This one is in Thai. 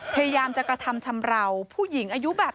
พยายามจะกระทำชำราวผู้หญิงอายุแบบ